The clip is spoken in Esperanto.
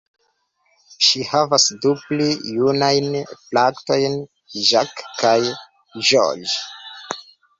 Ŝi havas du pli junajn fratojn, Jack kaj George.